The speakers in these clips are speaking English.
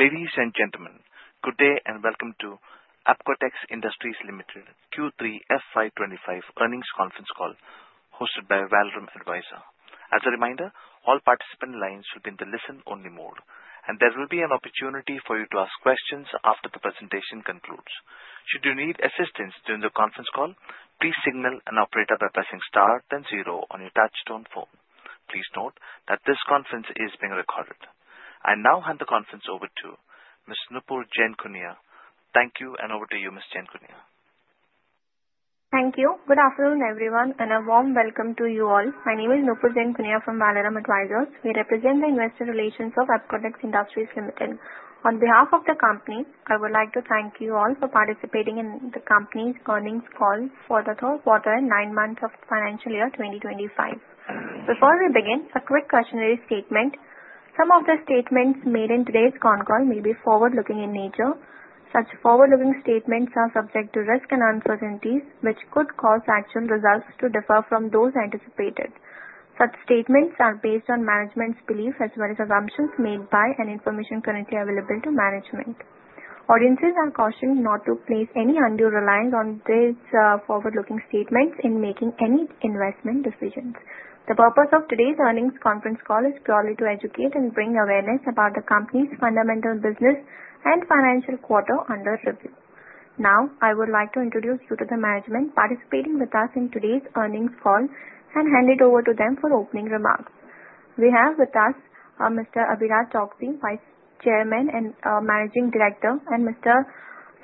Ladies and gentlemen, good day and welcome to Apcotex Industries Limited Q3 FY25 earnings conference call, hosted by Valorem Advisors. As a reminder, all participant lines will be in the listen-only mode, and there will be an opportunity for you to ask questions after the presentation concludes. Should you need assistance during the conference call, please signal an operator by pressing star then zero on your touch-tone phone. Please note that this conference is being recorded. I now hand the conference over to Ms. Nupur Jain Kuniya. Thank you, and over to you, Ms. Jain Kuniya. Thank you. Good afternoon, everyone, and a warm welcome to you all. My name is Nupur Jain Kuniya from Valorem Advisors. We represent the investor relations of Apcotex Industries Limited. On behalf of the company, I would like to thank you all for participating in the company's earnings call for the third quarter and nine months of financial year 2025. Before we begin, a quick cautionary statement: some of the statements made in today's conference may be forward-looking in nature. Such forward-looking statements are subject to risk and uncertainties, which could cause actual results to differ from those anticipated. Such statements are based on management's beliefs as well as assumptions made by and information currently available to management. Audiences are cautioned not to place any undue reliance on these forward-looking statements in making any investment decisions. The purpose of today's earnings conference call is purely to educate and bring awareness about the company's fundamental business and financial quarter under review. Now, I would like to introduce you to the management participating with us in today's earnings call and hand it over to them for opening remarks. We have with us Mr. Abhiraj Choksey, Vice Chairman and Managing Director, and Mr.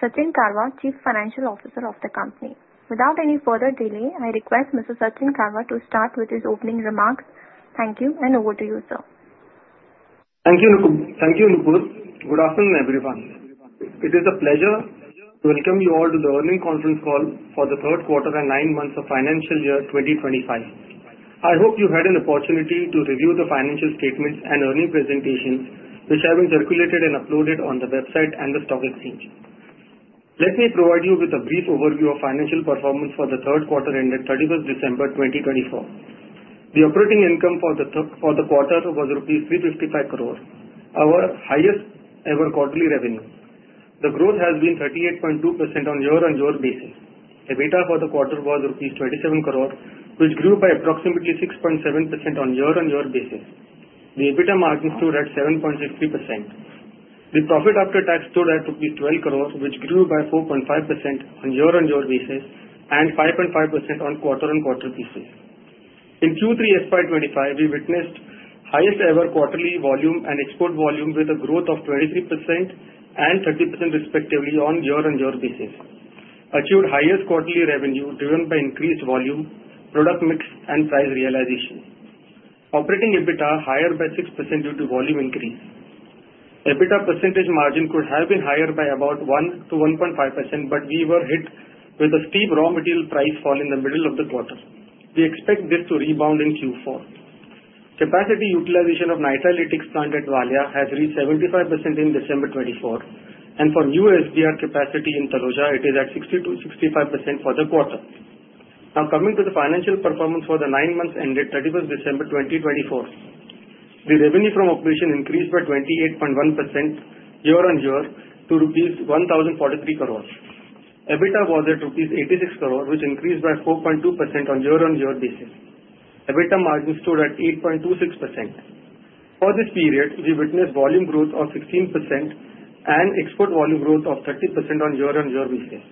Sachin Karwa, Chief Financial Officer of the company. Without any further delay, I request Mr. Sachin Karwa to start with his opening remarks. Thank you, and over to you, sir. Thank you, Nupur. Good afternoon, everyone. It is a pleasure to welcome you all to the earnings conference call for the third quarter and nine months of financial year 2025. I hope you had an opportunity to review the financial statements and earnings presentations, which have been circulated and uploaded on the website and the stock exchange. Let me provide you with a brief overview of financial performance for the third quarter ended 31st December 2024. The operating income for the quarter was 355 crore rupees, our highest-ever quarterly revenue. The growth has been 38.2% on year-on-year basis. EBITDA for the quarter was rupees 27 crore, which grew by approximately 6.7% on year-on-year basis. The EBITDA margin stood at 7.63%. The profit after tax stood at 12 crore, which grew by 4.5% on year-on-year basis and 5.5% on quarter-on-quarter basis. In Q3 FY25, we witnessed highest-ever quarterly volume and export volume with a growth of 23% and 30% respectively on year-on-year basis. Achieved highest quarterly revenue driven by increased volume, product mix, and price realization. Operating EBITDA higher by 6% due to volume increase. EBITDA percentage margin could have been higher by about 1%-1.5%, but we were hit with a steep raw material price fall in the middle of the quarter. We expect this to rebound in Q4. Capacity utilization of Nitrile Latex plant at Valia has reached 75% in December 2024, and for new SBR capacity in Taloja, it is at 60%-65% for the quarter. Now, coming to the financial performance for the nine months ended 31st December 2024, the revenue from operation increased by 28.1% year-on-year to rupees 1,043 crore. EBITDA was at rupees 86 crore, which increased by 4.2% on year-on-year basis. EBITDA margin stood at 8.26%. For this period, we witnessed volume growth of 16% and export volume growth of 30% on year-on-year basis.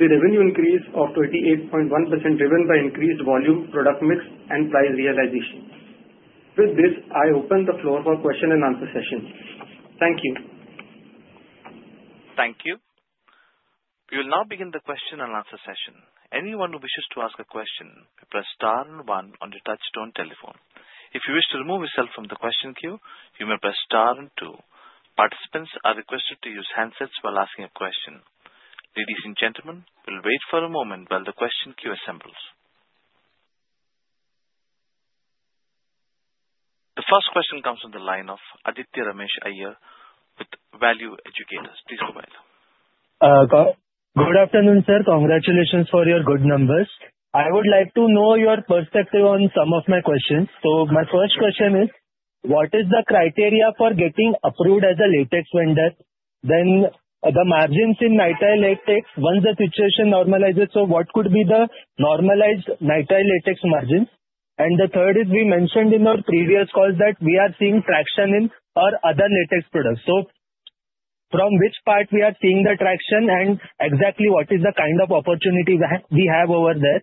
The revenue increase of 28.1% driven by increased volume, product mix, and price realization. With this, I open the floor for question and answer session. Thank you. Thank you. We will now begin the question and answer session. Anyone who wishes to ask a question may press star and one on your touch-tone telephone. If you wish to remove yourself from the question queue, you may press star and two. Participants are requested to use handsets while asking a question. Ladies and gentlemen, we'll wait for a moment while the question queue assembles. The first question comes from the line of Aditya Ramesh Iyer with Value Educators. Please go ahead. Good afternoon, sir. Congratulations for your good numbers. I would like to know your perspective on some of my questions. So my first question is, what is the criteria for getting approved as a latex vendor? Then the margins in Nitrile Latex, once the situation normalizes, so what could be the normalized Nitrile Latex margins? And the third is, we mentioned in our previous calls that we are seeing traction in our other latex products. So from which part we are seeing the traction, and exactly what is the kind of opportunity we have over there?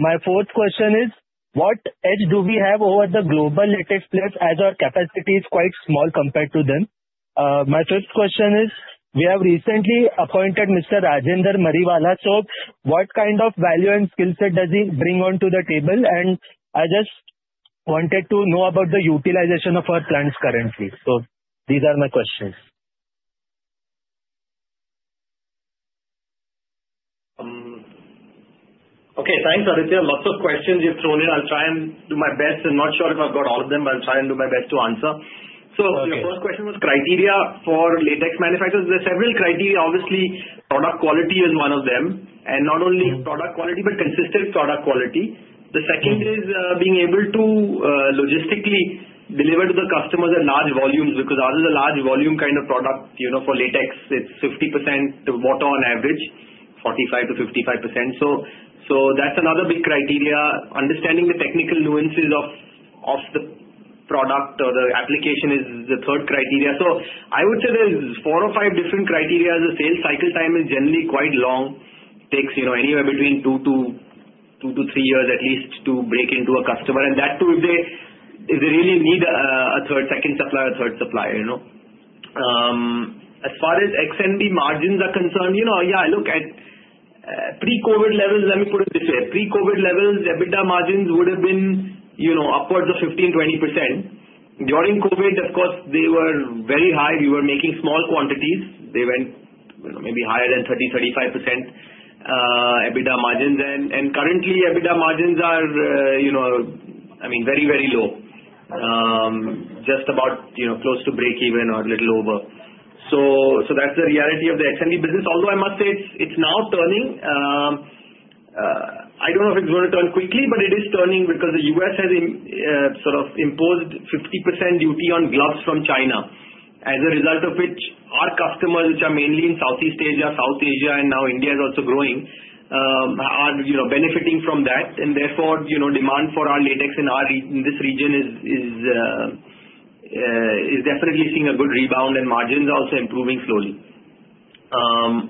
My fourth question is, what edge do we have over the global latex players as our capacity is quite small compared to them? My fifth question is, we have recently appointed Mr. Rajendra Mariwala, so what kind of value and skill set does he bring onto the table? I just wanted to know about the utilization of our plants currently. These are my questions. Okay, thanks, Aditya. Lots of questions you've thrown in. I'll try and do my best. I'm not sure if I've got all of them. I'll try and do my best to answer. So your first question was criteria for latex manufacturers. There are several criteria. Obviously, product quality is one of them, and not only product quality, but consistent product quality. The second is being able to logistically deliver to the customers at large volumes because others are large volume kind of product. For latex, it's 50% water on average, 45% to 55%. So that's another big criteria. Understanding the technical nuances of the product or the application is the third criteria. So I would say there's four or five different criteria. The sales cycle time is generally quite long. It takes anywhere between two to three years at least to break into a customer. That too, if they really need a second supplier, a third supplier. As far as XNB margins are concerned, yeah, I look at pre-COVID levels. Let me put it this way. Pre-COVID levels, EBITDA margins would have been upwards of 15%, 20%. During COVID, of course, they were very high. We were making small quantities. They went maybe higher than 30%, 35% EBITDA margins. Currently, EBITDA margins are, I mean, very, very low, just about close to breakeven or a little over. That's the reality of the XNB business. Although I must say, it's now turning. I don't know if it's going to turn quickly, but it is turning because the US has sort of imposed 50% duty on gloves from China, as a result of which our customers, which are mainly in Southeast Asia, South Asia, and now India is also growing, are benefiting from that. And therefore, demand for our latex in this region is definitely seeing a good rebound, and margins are also improving slowly.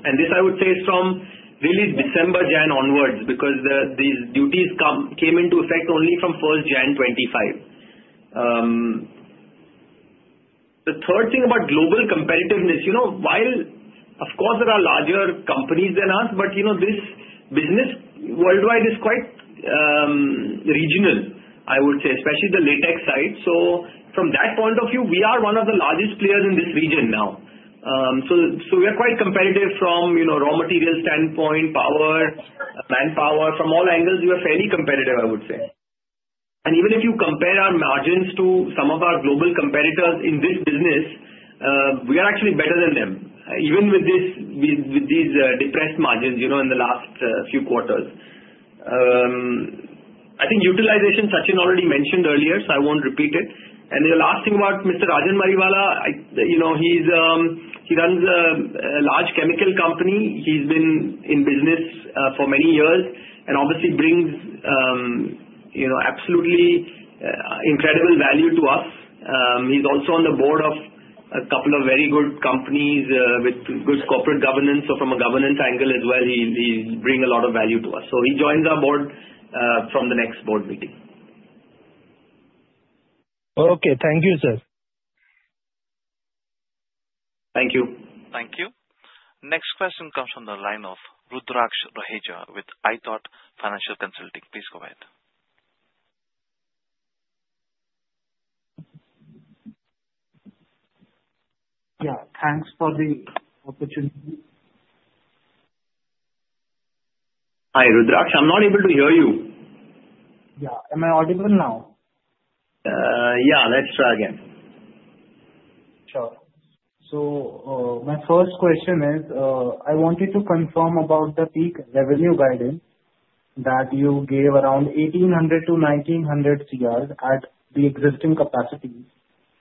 And this, I would say, is from really December, January, onwards because these duties came into effect only from 1st January 2025. The third thing about global competitiveness, of course, there are larger companies than us, but this business worldwide is quite regional, I would say, especially the latex side. So from that point of view, we are one of the largest players in this region now. So we are quite competitive from raw material standpoint, power, manpower. From all angles, we are fairly competitive, I would say. And even if you compare our margins to some of our global competitors in this business, we are actually better than them, even with these depressed margins in the last few quarters. I think utilization, Sachin already mentioned earlier, so I won't repeat it. The last thing about Mr. Rajendra Mariwala, he runs a large chemical company. He's been in business for many years and obviously brings absolutely incredible value to us. He's also on the board of a couple of very good companies with good corporate governance. From a governance angle as well, he brings a lot of value to us. He joins our board from the next board meeting. Okay. Thank you, sir. Thank you. Thank you. Next question comes from the line of Rudraksh Rohija with iThought Financial Consulting. Please go ahead. Yeah. Thanks for the opportunity. Hi, Rudraksh. I'm not able to hear you. Yeah. Am I audible now? Yeah. Let's try again. Sure. So my first question is, I wanted to confirm about the peak revenue guidance that you gave around 1,800-1,900 crore at the existing capacity.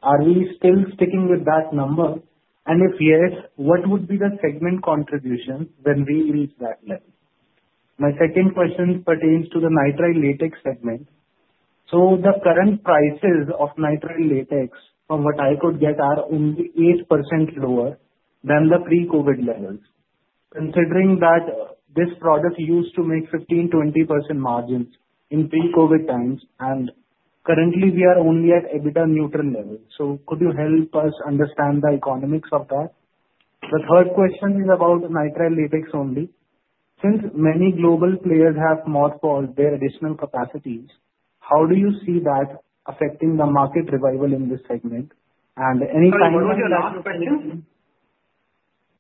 Are we still sticking with that number? And if yes, what would be the segment contribution when we reach that level? My second question pertains to the nitrile latex segment. So the current prices of nitrile latex, from what I could get, are only 8% lower than the pre-COVID levels. Considering that this product used to make 15%-20% margins in pre-COVID times, and currently, we are only at EBITDA neutral levels. So could you help us understand the economics of that? The third question is about nitrile latex only. Since many global players have mothballed their additional capacities, how do you see that affecting the market revival in this segment? And any final questions? Sorry, Rudraksh. Last question.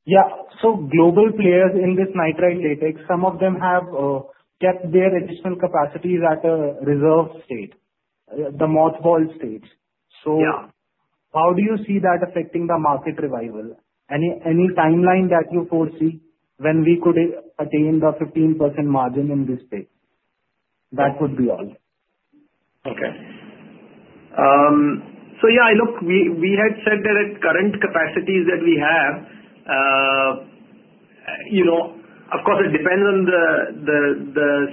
Yeah. So global players in this nitrile latex, some of them have kept their additional capacities at a reserve state, the mothballed stage. So how do you see that affecting the market revival? Any timeline that you foresee when we could attain the 15% margin in this space? That would be all. Okay. So yeah. We had said that at current capacities that we have, of course, it depends on the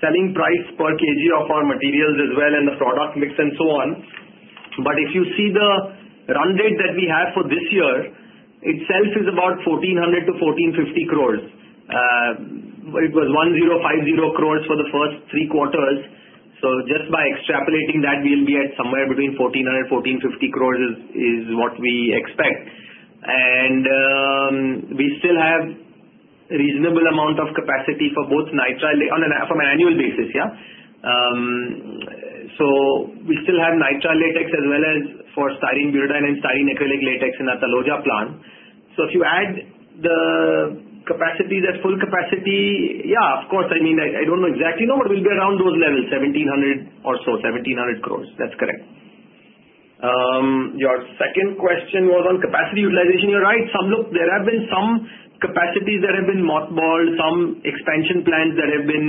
selling price per kg of our materials as well and the product mix and so on. But if you see the run rate that we have for this year, itself is about 1,400-1,450 crores. It was 1,050 crores for the first three quarters. So just by extrapolating that, we'll be at somewhere between 1,400 and 1,450 crores is what we expect. And we still have a reasonable amount of capacity for both nitrile from an annual basis, yeah? So we still have nitrile latex as well as for styrene butadiene and styrene acrylic latex in our Taloja plant. So if you add the capacities at full capacity, yeah, of course, I mean, I don't know exactly, but we'll be around those levels, 1,700 or so, 1,700 crores. That's correct. Your second question was on capacity utilization. You're right. There have been some capacities that have been mothballed, some expansion plans that have been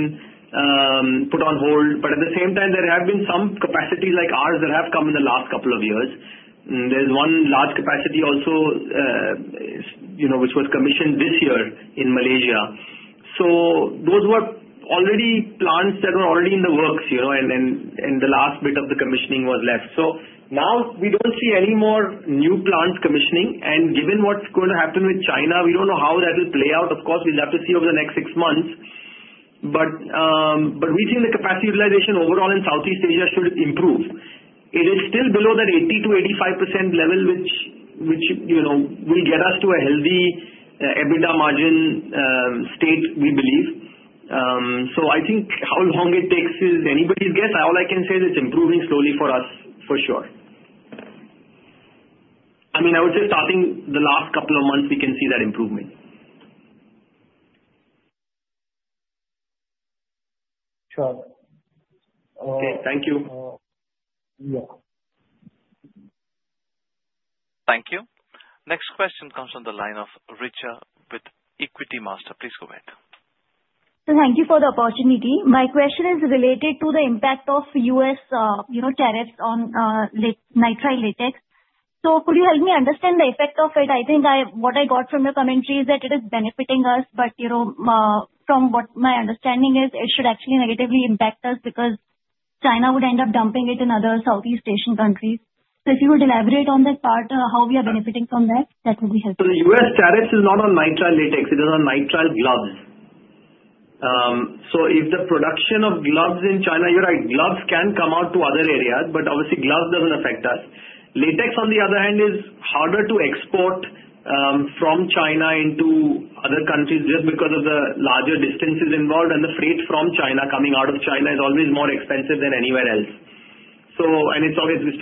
put on hold. But at the same time, there have been some capacities like ours that have come in the last couple of years. There's one large capacity also which was commissioned this year in Malaysia. So those were already plants that were already in the works, and the last bit of the commissioning was left. So now we don't see any more new plants commissioning. And given what's going to happen with China, we don't know how that will play out. Of course, we'll have to see over the next six months. But we think the capacity utilization overall in Southeast Asia should improve. It is still below that 80%-85% level, which will get us to a healthy EBITDA margin state, we believe. So I think how long it takes is anybody's guess. All I can say is it's improving slowly for us, for sure. I mean, I would say starting the last couple of months, we can see that improvement. Sure. Okay. Thank you. Yeah. Thank you. Next question comes from the line of Richa with Equitymaster. Please go ahead. Thank you for the opportunity. My question is related to the impact of U.S. tariffs on nitrile latex. So could you help me understand the effect of it? I think what I got from your commentary is that it is benefiting us, but from what my understanding is, it should actually negatively impact us because China would end up dumping it in other Southeast Asian countries. So if you would elaborate on that part, how we are benefiting from that, that would be helpful. So the U.S. tariff is not on nitrile latex. It is on nitrile gloves. So if the production of gloves in China, you're right, gloves can come out to other areas, but obviously, gloves doesn't affect us. Latex, on the other hand, is harder to export from China into other countries just because of the larger distances involved, and the freight from China coming out of China is always more expensive than anywhere else. And it's 55%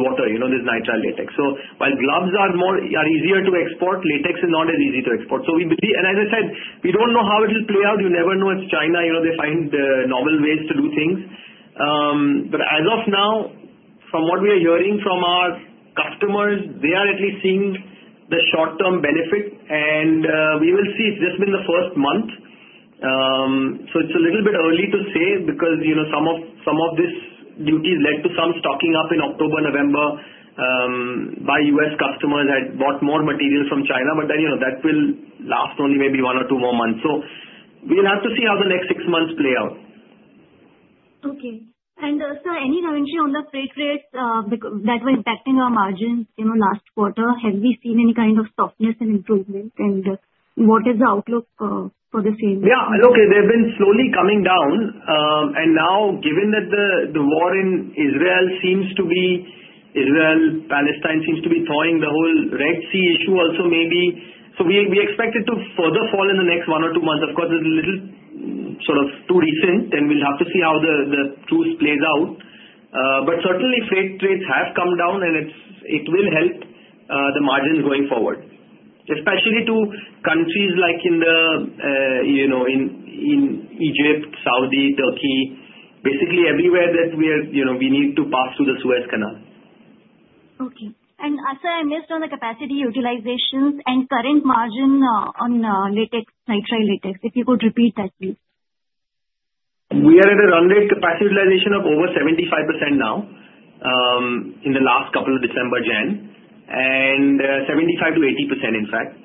water, this nitrile latex. So while gloves are easier to export, latex is not as easy to export. And as I said, we don't know how it will play out. You never know. It's China. They find the novel ways to do things. But as of now, from what we are hearing from our customers, they are at least seeing the short-term benefit. And we will see. It's just been the first month. It's a little bit early to say because some of this duty led to some stocking up in October, November by U.S. customers that bought more materials from China. But then that will last only maybe one or two more months. We'll have to see how the next six months play out. Okay. And sir, any commentary on the freight rates that were impacting our margins last quarter? Have we seen any kind of softness and improvement? And what is the outlook for the same? Yeah. Look, they've been slowly coming down. And now, given that the war in Israel-Palestine seems to be thawing, the whole Red Sea issue also maybe. So we expect it to further fall in the next one or two months. Of course, it's a little sort of too recent, and we'll have to see how the truce plays out. But certainly, freight rates have come down, and it will help the margins going forward, especially to countries like in Egypt, Saudi, Turkey, basically everywhere that we need to pass through the Suez Canal. Okay, and sir, I missed on the capacity utilizations and current margin on nitrile latex. If you could repeat that, please. We are at a run rate capacity utilization of over 75% now in the last couple of December, January, and 75%-80%, in fact.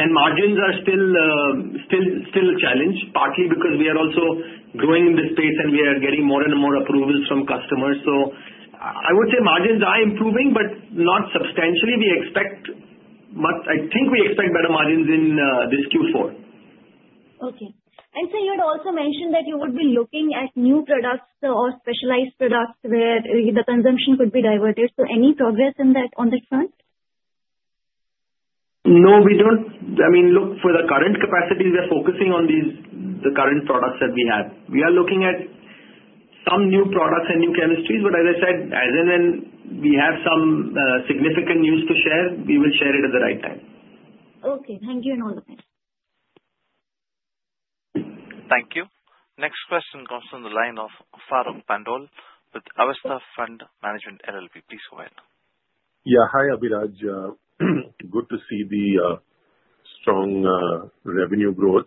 And margins are still a challenge, partly because we are also growing in this space, and we are getting more and more approvals from customers. So I would say margins are improving, but not substantially. I think we expect better margins in this Q4. Okay. And sir, you had also mentioned that you would be looking at new products or specialized products where the consumption could be diverted. So any progress on that front? No, we don't. I mean, look, for the current capacity, we are focusing on the current products that we have. We are looking at some new products and new chemistries. But as I said, as and when we have some significant news to share, we will share it at the right time. Okay. Thank you and all the best. Thank you. Next question comes from the line of Farouk Pandor with Avesta Fund Management LLP. Please go ahead. Yeah. Hi, Abhiraj. Good to see the strong revenue growth.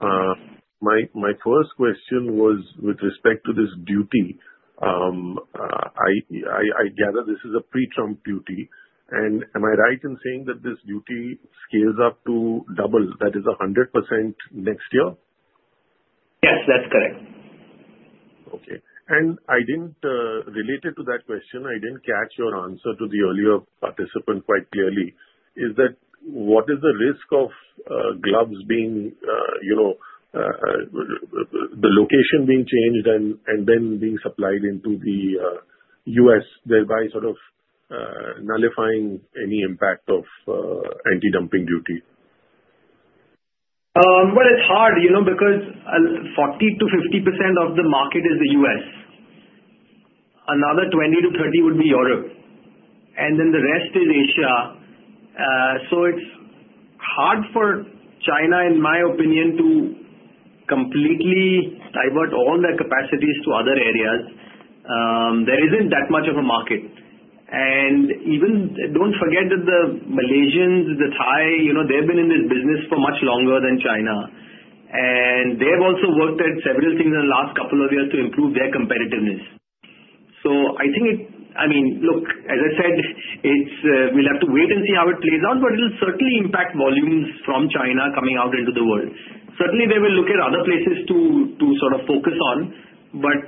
My first question was with respect to this duty. I gather this is a pre-Trump duty. And am I right in saying that this duty scales up to double? That is 100% next year? Yes, that's correct. Okay. And related to that question, I didn't catch your answer to the earlier participant quite clearly. Is that what is the risk of gloves being the location being changed and then being supplied into the U.S., thereby sort of nullifying any impact of anti-dumping duty? It's hard because 40%-50% of the market is the U.S. Another 20%-30% would be Europe. And then the rest is Asia. So it's hard for China, in my opinion, to completely divert all their capacities to other areas. There isn't that much of a market. And don't forget that the Malaysians, the Thai, they've been in this business for much longer than China. And they've also worked at several things in the last couple of years to improve their competitiveness. So I think, I mean, look, as I said, we'll have to wait and see how it plays out, but it'll certainly impact volumes from China coming out into the world. Certainly, they will look at other places to sort of focus on. But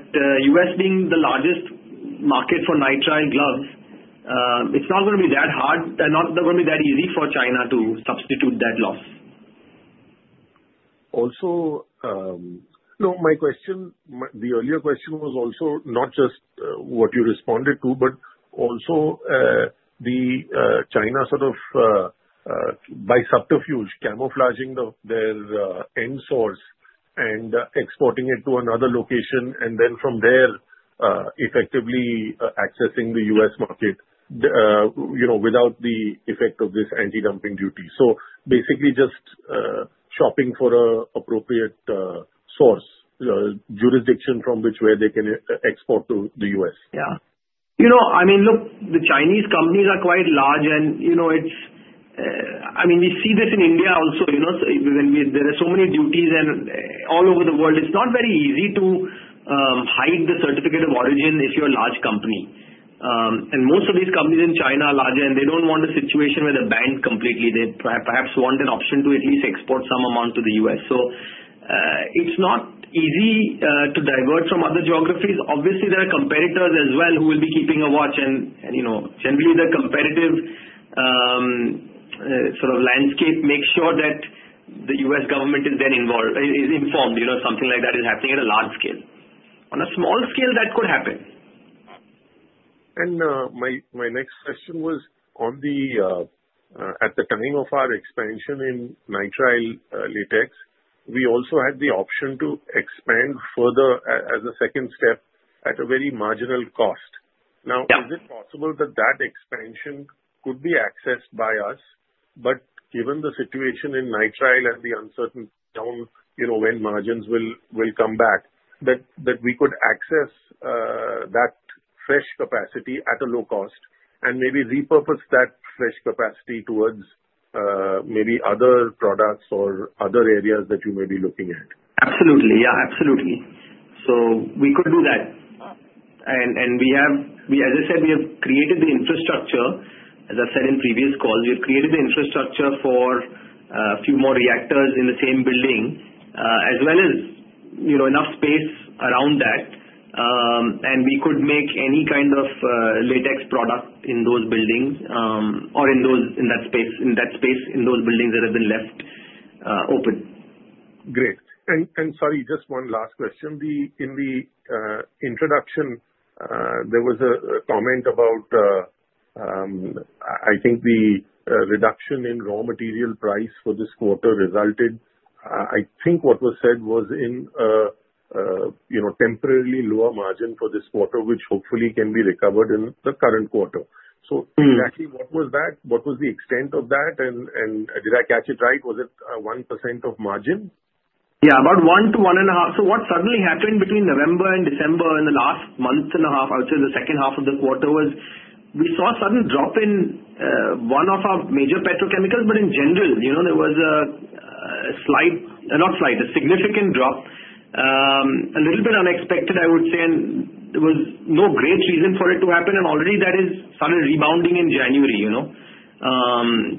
U.S. being the largest market for nitrile gloves, it's not going to be that hard. They're not going to be that easy for China to substitute that loss. Also, no, my question, the earlier question was also not just what you responded to, but also the China sort of by subterfuge camouflaging their end source and exporting it to another location, and then from there, effectively accessing the U.S. market without the effect of this anti-dumping duty. So basically just shopping for an appropriate source, jurisdiction from which they can export to the U.S. Yeah. I mean, look, the Chinese companies are quite large, and I mean, we see this in India also. There are so many duties all over the world. It's not very easy to hide the certificate of origin if you're a large company, and most of these companies in China are larger, and they don't want a situation where they're banned completely. They perhaps want an option to at least export some amount to the U.S., so it's not easy to divert from other geographies. Obviously, there are competitors as well who will be keeping a watch, and generally, the competitive sort of landscape makes sure that the U.S. government is then informed something like that is happening at a large scale. On a small scale, that could happen. My next question was, at the time of our expansion in nitrile latex, we also had the option to expand further as a second step at a very marginal cost. Now, is it possible that that expansion could be accessed by us, but given the situation in nitrile and the uncertainty when margins will come back, that we could access that fresh capacity at a low cost and maybe repurpose that fresh capacity towards maybe other products or other areas that you may be looking at? Absolutely. Yeah, absolutely. So we could do that. And as I said, we have created the infrastructure. As I've said in previous calls, we have created the infrastructure for a few more reactors in the same building as well as enough space around that. And we could make any kind of latex product in those buildings or in that space, in those buildings that have been left open. Great. And sorry, just one last question. In the introduction, there was a comment about, I think, the reduction in raw material price for this quarter resulted, I think what was said was in a temporarily lower margin for this quarter, which hopefully can be recovered in the current quarter. So exactly what was that? What was the extent of that? And did I catch it right? Was it 1% of margin? Yeah, about 1%-1.5%. So what suddenly happened between November and December in the last month and a half, I would say the second half of the quarter was we saw a sudden drop in one of our major petrochemicals, but in general, there was a slight, not slight, a significant drop, a little bit unexpected, I would say. And there was no great reason for it to happen. And already that is started rebounding in January.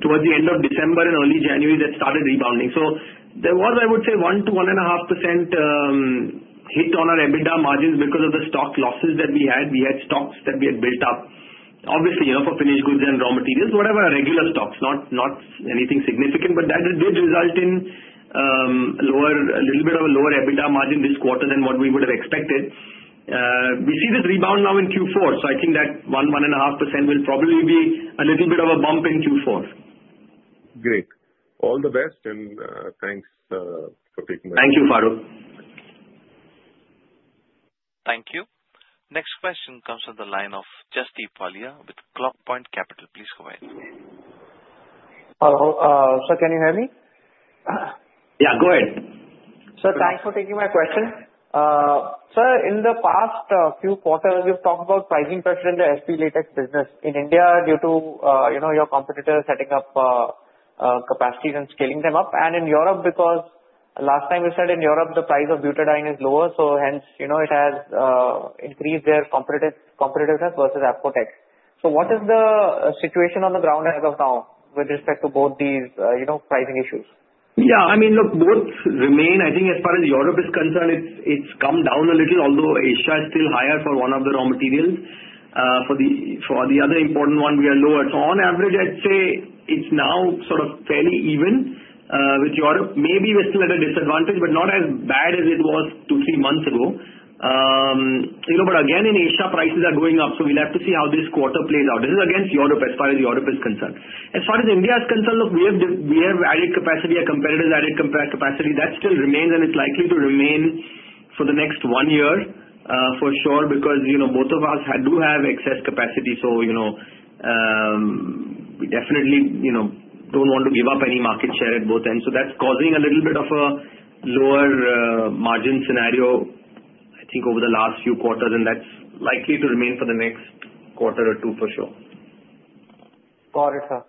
Towards the end of December and early January, that started rebounding. So there was, I would say, 1%-1.5% hit on our EBITDA margins because of the stock losses that we had. We had stocks that we had built up, obviously, for finished goods and raw materials, whatever regular stocks, not anything significant. But that did result in a little bit of a lower EBITDA margin this quarter than what we would have expected. We see this rebound now in Q4. So I think that 1%-1.5% will probably be a little bit of a bump in Q4. Great. All the best, and thanks for taking the time. Thank you, Faruk. Thank you. Next question comes from the line of Jasdeep Walia with Clockvine Capital. Please go ahead. Hello. Sir, can you hear me? Yeah, go ahead. Sir, thanks for taking my question. Sir, in the past few quarters, we've talked about rising pressure in the SBR latex business in India due to your competitors setting up capacities and scaling them up. And in Europe, because last time you said in Europe, the price of butadiene is lower, so hence it has increased their competitiveness versus Apcotex. So what is the situation on the ground as of now with respect to both these pricing issues? Yeah. I mean, look, both remain. I think as far as Europe is concerned, it's come down a little, although Asia is still higher for one of the raw materials. For the other important one, we are lower. So on average, I'd say it's now sort of fairly even with Europe. Maybe we're still at a disadvantage, but not as bad as it was two or three months ago. But again, in Asia, prices are going up. So we'll have to see how this quarter plays out. This is against Europe as far as Europe is concerned. As far as India is concerned, look, we have added capacity. Our competitors added capacity. That still remains, and it's likely to remain for the next one year for sure because both of us do have excess capacity. So we definitely don't want to give up any market share at both ends. So that's causing a little bit of a lower margin scenario, I think, over the last few quarters. And that's likely to remain for the next quarter or two for sure. Got it, sir.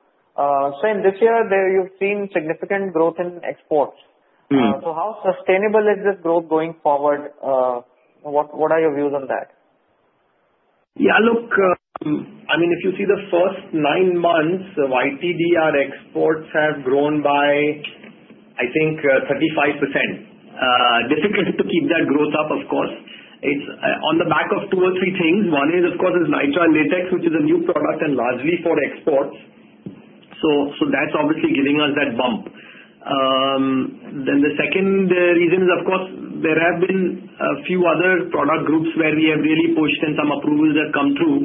Sir, in this year, you've seen significant growth in exports. So how sustainable is this growth going forward? What are your views on that? Yeah. Look, I mean, if you see the first nine months, YTD exports have grown by, I think, 35%. Difficult to keep that growth up, of course. It's on the back of two or three things. One is, of course, it's nitrile latex, which is a new product and largely for exports. So that's obviously giving us that bump. Then the second reason is, of course, there have been a few other product groups where we have really pushed, and some approvals have come through.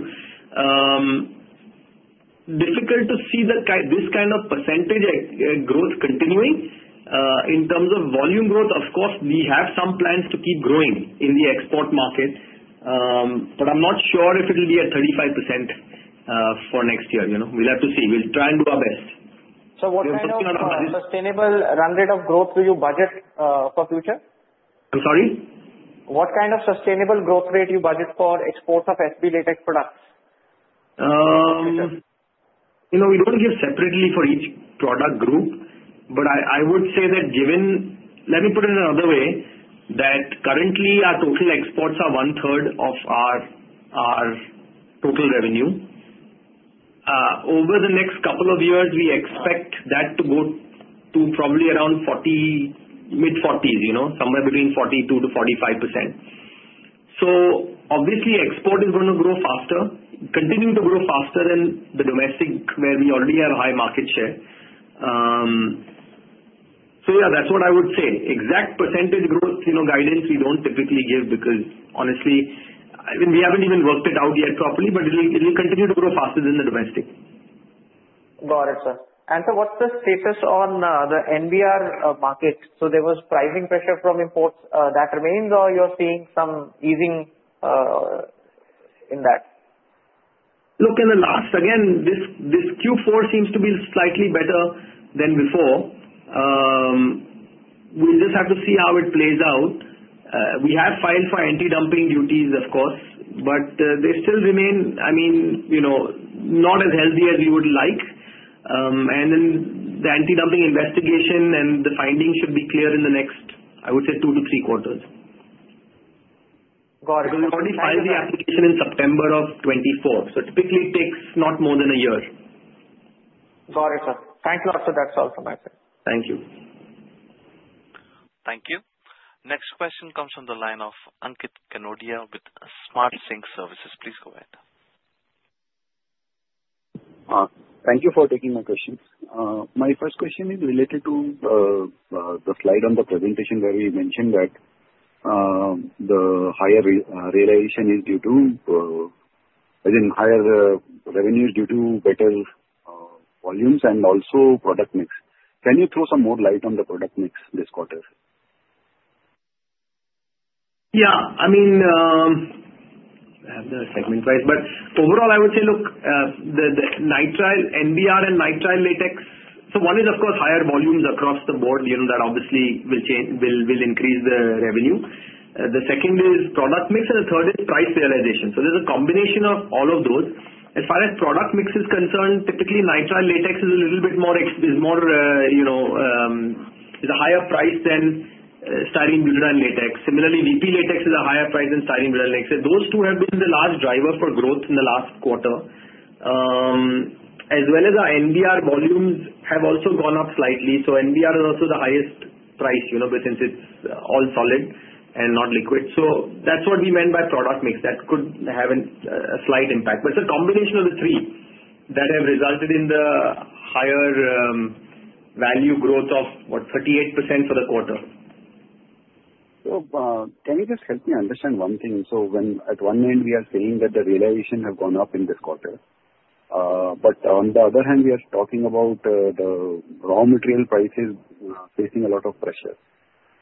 Difficult to see this kind of percentage growth continuing. In terms of volume growth, of course, we have some plans to keep growing in the export market. But I'm not sure if it'll be at 35% for next year. We'll have to see. We'll try and do our best. Sir, what kind of sustainable run rate of growth do you budget for future? I'm sorry? What kind of sustainable growth rate do you budget for exports of SB latex products in the future? We don't give separately for each product group, but I would say that, given let me put it another way, that currently our total exports are one-third of our total revenue. Over the next couple of years, we expect that to go to probably around mid-40s, somewhere between 42% to 45%. So obviously, export is going to grow faster, continue to grow faster than the domestic where we already have high market share. So yeah, that's what I would say. Exact percentage growth guidance we don't typically give because, honestly, I mean, we haven't even worked it out yet properly, but it'll continue to grow faster than the domestic. Got it, sir. And sir, what's the status on the NBR market? So there was pricing pressure from imports. That remains, or you're seeing some easing in that? Look, in the last, again, this Q4 seems to be slightly better than before. We'll just have to see how it plays out. We have filed for anti-dumping duties, of course, but they still remain, I mean, not as healthy as we would like, and then the anti-dumping investigation and the findings should be clear in the next, I would say, two to three quarters. Got it. Because we already filed the application in September of 2024, so it typically takes not more than a year. Got it, sir. Thank you. That's all from my side. Thank you. Thank you. Next question comes from the line of Ankit Kanodia with SmartSync Services. Please go ahead. Thank you for taking my questions. My first question is related to the slide on the presentation where we mentioned that the higher realization is due to, I think, higher revenues due to better volumes and also product mix. Can you throw some more light on the product mix this quarter? Yeah. I mean, I have the segment price, but overall, I would say, look, the NBR and Nitrile Latex, so one is, of course, higher volumes across the board that obviously will increase the revenue. The second is product mix, and the third is price realization. So there's a combination of all of those. As far as product mix is concerned, typically Nitrile Latex is a little bit more is a higher price than Styrene Butadiene Latex. Similarly, VP Latex is a higher price than Styrene Butadiene Latex. Those two have been the large driver for growth in the last quarter. As well as our NBR volumes have also gone up slightly. So NBR is also the highest price since it's all solid and not liquid. So that's what we meant by product mix. That could have a slight impact. But it's a combination of the three that have resulted in the higher value growth of, what, 38% for the quarter. Can you just help me understand one thing? So at one end, we are saying that the realization has gone up in this quarter. But on the other hand, we are talking about the raw material prices facing a lot of pressure.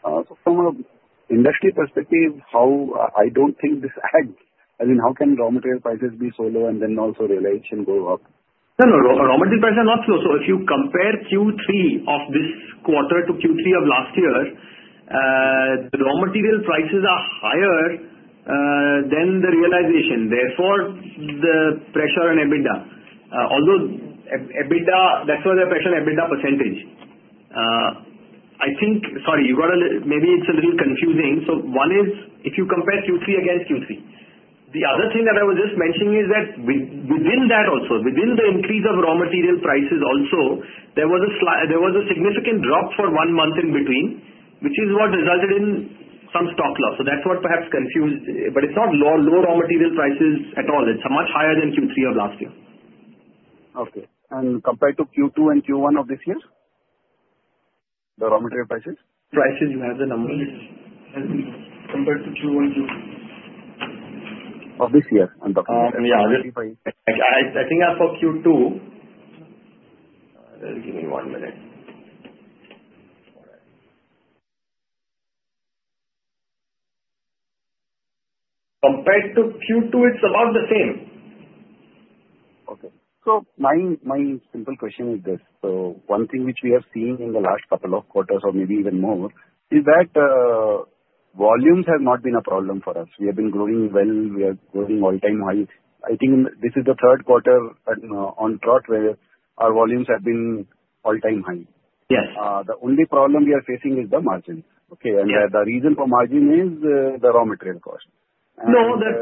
So from an industry perspective, I don't think this adds. I mean, how can raw material prices be so low and then also realization go up? No, no. Raw material prices are not low. So if you compare Q3 of this quarter to Q3 of last year, the raw material prices are higher than the realization. Therefore, the pressure on EBITDA. Although EBITDA, that's why the pressure on EBITDA percentage. I think, sorry, you got a maybe it's a little confusing. So one is if you compare Q3 against Q3. The other thing that I was just mentioning is that within that also, within the increase of raw material prices also, there was a significant drop for one month in between, which is what resulted in some stock loss. So that's what perhaps confused. But it's not low raw material prices at all. It's much higher than Q3 of last year. Okay. And compared to Q2 and Q1 of this year? The raw material prices? Prices. You have the numbers compared to Q1, Q2. Of this year, I'm talking about. Yeah. I think for Q2, give me one minute. Compared to Q2, it's about the same. Okay. So my simple question is this. So one thing which we have seen in the last couple of quarters or maybe even more is that volumes have not been a problem for us. We have been growing well. We are growing all-time high. I think this is the third quarter on track where our volumes have been all-time high. The only problem we are facing is the margin. Okay? And the reason for margin is the raw material cost. No, there's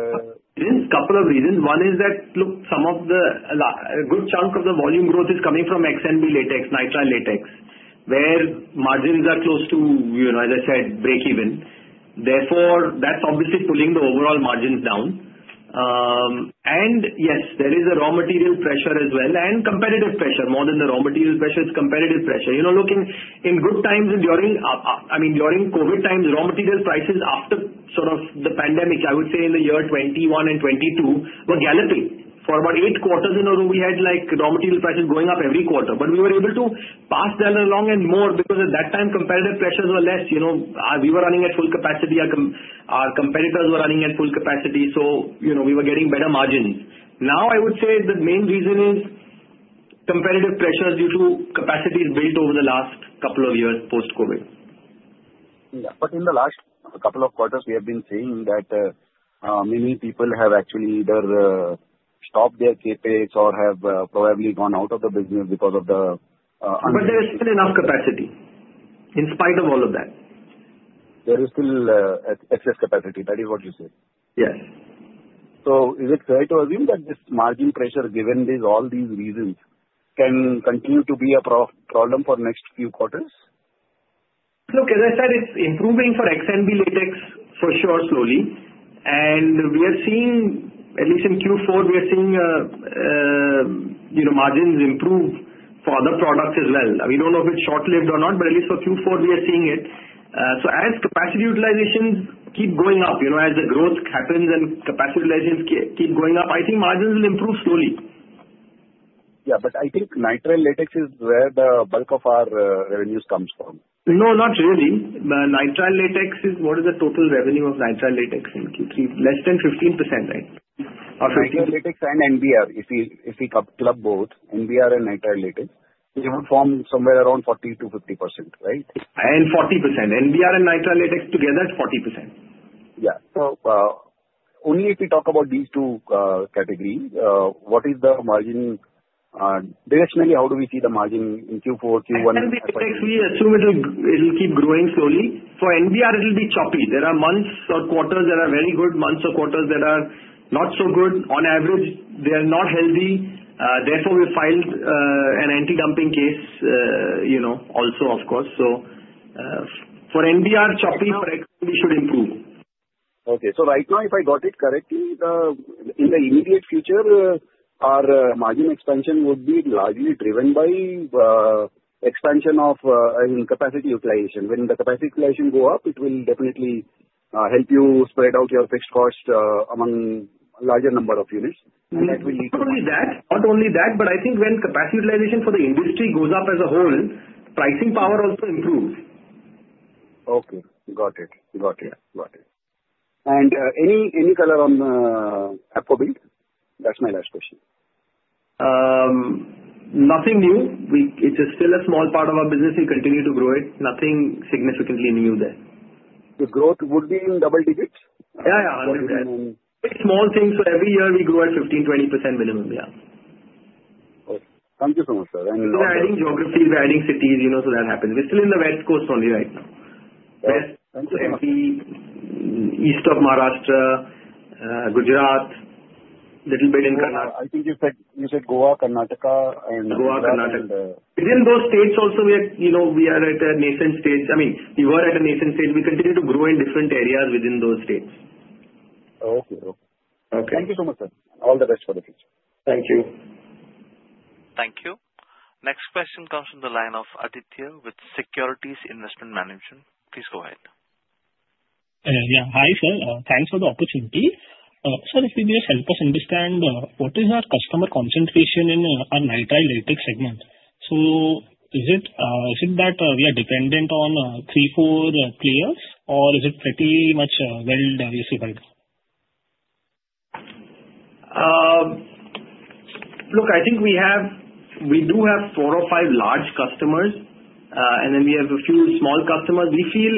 a couple of reasons. One is that, look, some of a good chunk of the volume growth is coming from XNB latex, nitrile latex, where margins are close to, as I said, break-even. Therefore, that's obviously pulling the overall margins down. And yes, there is a raw material pressure as well and competitive pressure. More than the raw material pressure, it's competitive pressure. Looking in good times and during I mean, during COVID times, raw material prices after sort of the pandemic, I would say in the year 2021 and 2022, were galloping. For about eight quarters in a row, we had raw material prices going up every quarter. But we were able to pass that along and more because at that time, competitive pressures were less. We were running at full capacity. Our competitors were running at full capacity. So we were getting better margins. Now, I would say the main reason is competitive pressures due to capacities built over the last couple of years post-COVID. Yeah, but in the last couple of quarters, we have been seeing that many people have actually either stopped their capex or have probably gone out of the business because of the. But there is still enough capacity in spite of all of that. There is still excess capacity. That is what you said. Yes. So is it fair to assume that this margin pressure, given all these reasons, can continue to be a problem for the next few quarters? Look, as I said, it's improving for XNB latex for sure slowly, and we are seeing, at least in Q4, we are seeing margins improve for other products as well. We don't know if it's short-lived or not, but at least for Q4, we are seeing it, so as capacity utilizations keep going up, as the growth happens and capacity utilizations keep going up, I think margins will improve slowly. Yeah, but I think nitrile latex is where the bulk of our revenues comes from. No, not really. Nitrile latex is what is the total revenue of nitrile latex in Q3? Less than 15%, right? Of XNB latex and NBR, if we club both NBR and nitrile latex, it would form somewhere around 40%-50%, right? 40%. NBR and nitrile latex together is 40%. Yeah. So only if we talk about these two categories, what is the margin? Directionally, how do we see the margin in Q4, Q1? XNB latex, we assume it'll keep growing slowly. For NBR, it'll be choppy. There are months or quarters that are very good, months or quarters that are not so good. On average, they are not healthy. Therefore, we filed an anti-dumping case also, of course. So for NBR, choppy. Yeah. For XNB, we should improve. Okay. So right now, if I got it correctly, in the immediate future, our margin expansion would be largely driven by expansion of, I mean, capacity utilization. When the capacity utilization goes up, it will definitely help you spread out your fixed cost among a larger number of units. And that will lead to. Not only that, but I think when capacity utilization for the industry goes up as a whole, pricing power also improves. Okay. Got it. Got it. Got it. And any color on Apcobuild? That's my last question. Nothing new. It is still a small part of our business. We continue to grow it. Nothing significantly new there. The growth would be in double digits? Yeah, yeah. Minimum. It's small things. So every year, we grow at 15%-20% minimum. Yeah. Okay. Thank you so much, sir. And. We're adding geography. We're adding cities so that happens. We're still in the West Coast only right now. West Coast. Okay. East of Maharashtra, Gujarat, a little bit in. I think you said Goa, Karnataka, and. Goa, Karnataka. Within those states also, we are at a nascent stage. I mean, we were at a nascent stage. We continue to grow in different areas within those states. Okay. Okay. Thank you so much, sir. All the best for the future. Thank you. Thank you. Next question comes from the line of Aditya with Securities Investment Management. Please go ahead. Yeah. Hi, sir. Thanks for the opportunity. Sir, if you may just help us understand what is our customer concentration in our nitrile latex segment? So is it that we are dependent on three, four players, or is it pretty much well diversified? Look, I think we do have four or five large customers, and then we have a few small customers. We feel,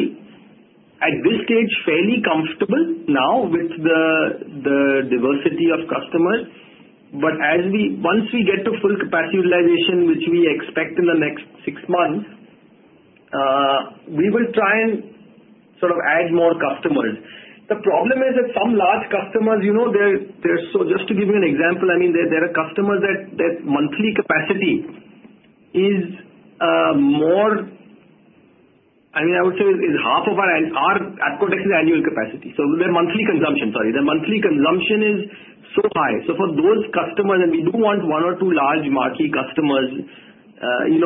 at this stage, fairly comfortable now with the diversity of customers, but once we get to full capacity utilization, which we expect in the next six months, we will try and sort of add more customers. The problem is that some large customers, they're so just to give you an example, I mean, there are customers that monthly capacity is more I mean, I would say is half of our Apcotex's annual capacity. So their monthly consumption, sorry, their monthly consumption is so high. So for those customers, and we do want one or two large marquee customers,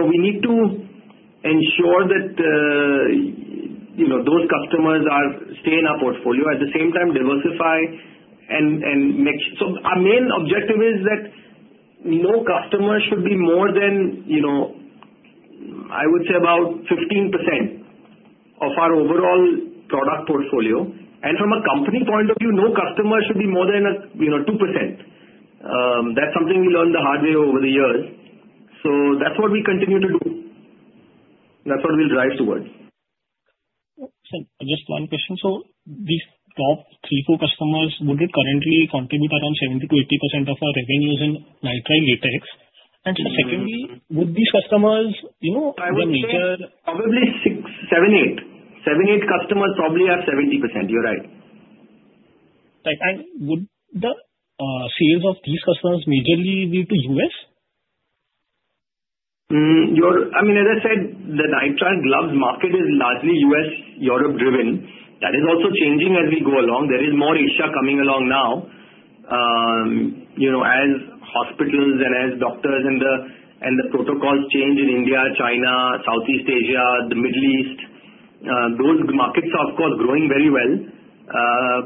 we need to ensure that those customers stay in our portfolio, at the same time diversify and make sure. So our main objective is that no customer should be more than, I would say, about 15% of our overall product portfolio. And from a company point of view, no customer should be more than 2%. That's something we learned the hard way over the years. So that's what we continue to do. That's what we'll drive towards. Just one question. So these top three, four customers, would it currently contribute around 70%-80% of our revenues in nitrile latex? And secondly, would these customers have a major? Probably seven, eight. Seven, eight customers probably have 70%. You're right. Would the sales of these customers majorly be to U.S.? I mean, as I said, the nitrile gloves market is largely U.S., Europe-driven. That is also changing as we go along. There is more Asia coming along now as hospitals and as doctors and the protocols change in India, China, Southeast Asia, the Middle East. Those markets are, of course, growing very well.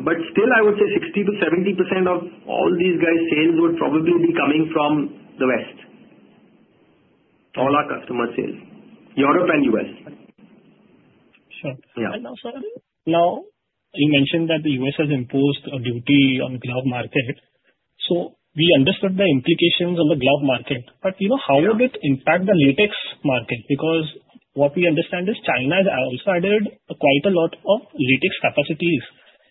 But still, I would say 60%-70% of all these guys' sales would probably be coming from the West, all our customer sales, Europe and U.S. Sure. Now, sir, now you mentioned that the U.S. has imposed a duty on the glove market, so we understood the implications on the glove market, but how would it impact the latex market? Because what we understand is China has also added quite a lot of latex capacities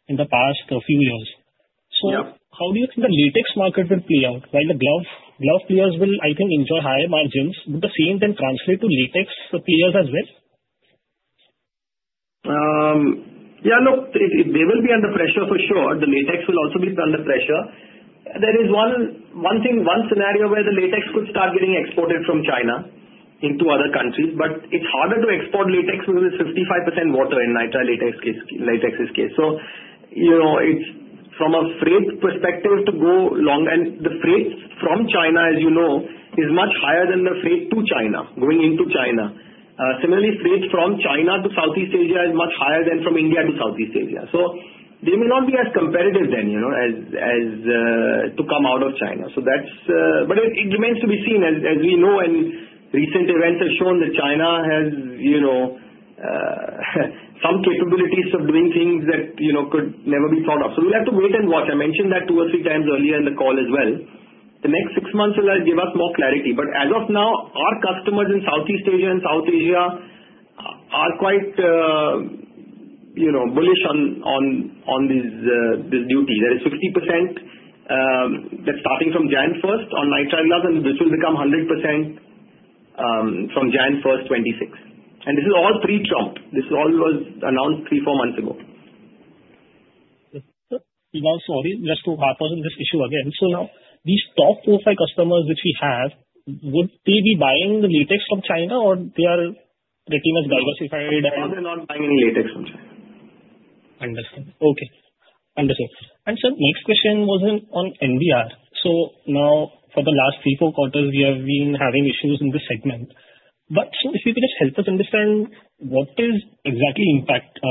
in the past few years, so how do you think the latex market will play out? While the glove players will, I think, enjoy higher margins, would the same then translate to latex players as well? Yeah. Look, they will be under pressure for sure. The latex will also be under pressure. There is one scenario where the latex could start getting exported from China into other countries. But it's harder to export latex because it's 55% water in nitrile latex's case. So it's from a freight perspective to go long. And the freight from China, as you know, is much higher than the freight to China, going into China. Similarly, freight from China to Southeast Asia is much higher than from India to Southeast Asia. So they may not be as competitive then as to come out of China. But it remains to be seen. As we know, and recent events have shown that China has some capabilities of doing things that could never be thought of. So we'll have to wait and watch. I mentioned that two or three times earlier in the call as well. The next six months will give us more clarity. But as of now, our customers in Southeast Asia and South Asia are quite bullish on this duty. There is 50% that's starting from January 1st on nitrile gloves, and this will become 100% from January 1st, 2026. And this is all pre-Trump. This all was announced three, four months ago. Now, sorry, just to probe this issue again. So now, these top four or five customers which we have, would they be buying the latex from China, or they are pretty much diversified? They're not buying any latex from China. Understood. Okay. Understood. And, sir, next question was on NBR. So now, for the last three, four quarters, we have been having issues in this segment. But if you could just help us understand what is exactly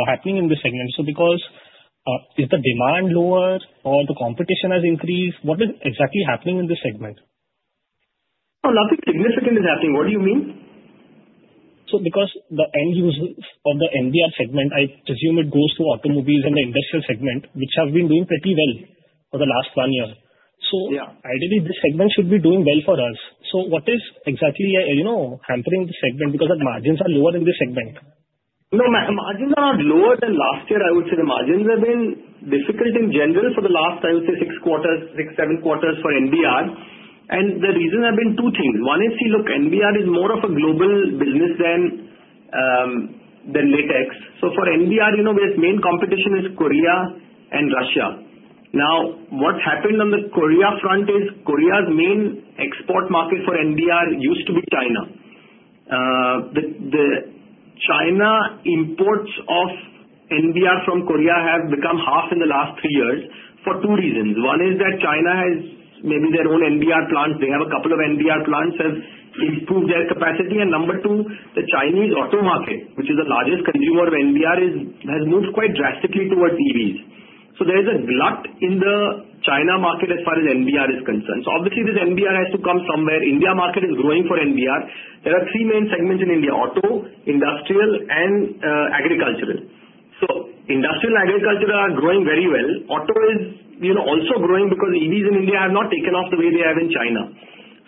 happening in this segment. So, because is the demand lower or the competition has increased? What is exactly happening in this segment? Nothing significant is happening. What do you mean? So because the end users of the NBR segment, I presume it goes to automobiles and the industrial segment, which have been doing pretty well for the last one year. So ideally, this segment should be doing well for us. So what is exactly hampering the segment? Because the margins are lower in this segment. No, margins are not lower than last year. I would say the margins have been difficult in general for the last, I would say, six quarters, six, seven quarters for NBR. And the reason have been two things. One is, see, look, NBR is more of a global business than latex. So for NBR, its main competition is Korea and Russia. Now, what happened on the Korea front is Korea's main export market for NBR used to be China. The China imports of NBR from Korea have become half in the last three years for two reasons. One is that China has maybe their own NBR plants. They have a couple of NBR plants that improve their capacity. And number two, the Chinese auto market, which is the largest consumer of NBR, has moved quite drastically towards EVs. So there is a glut in the China market as far as NBR is concerned. So obviously, this NBR has to come somewhere. India market is growing for NBR. There are three main segments in India: auto, industrial, and agricultural. So industrial and agriculture are growing very well. Auto is also growing because EVs in India have not taken off the way they have in China.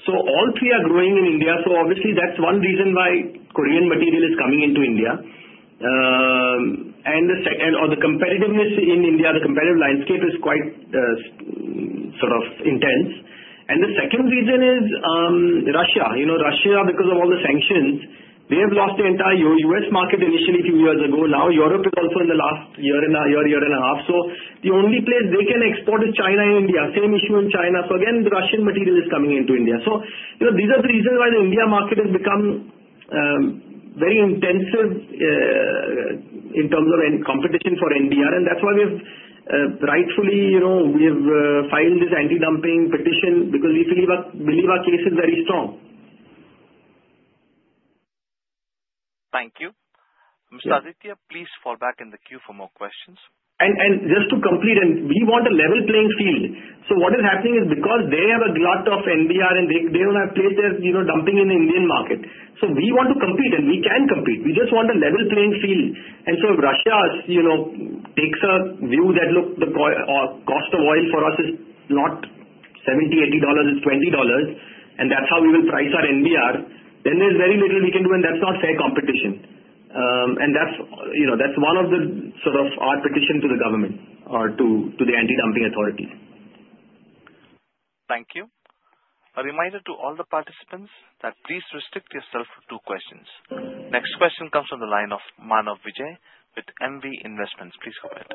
So all three are growing in India. So obviously, that's one reason why Korean material is coming into India. And the competitiveness in India, the competitive landscape is quite sort of intense. And the second reason is Russia. Russia, because of all the sanctions, they have lost the entire U.S. market initially a few years ago. Now, Europe is also in the last year and a half. So the only place they can export is China and India. Same issue in China. So again, the Russian material is coming into India. So these are the reasons why the India market has become very intensive in terms of competition for NBR. And that's why we have rightfully filed this anti-dumping petition because we believe our case is very strong. Thank you. Mr. Aditya, please fall back in the queue for more questions. And just to complete, and we want a level playing field. So what is happening is because they have a glut of NBR, and they don't have place they're dumping in the Indian market. So we want to compete, and we can compete. We just want a level playing field. And so if Russia takes a view that, look, the cost of oil for us is not $70, $80, it's $20, and that's how we will price our NBR, then there's very little we can do, and that's not fair competition. And that's one of the sort of our petition to the government or to the anti-dumping authorities. Thank you. A reminder to all the participants that please restrict yourself for two questions. Next question comes from the line of Manav Vijay with MV Investments. Please go ahead.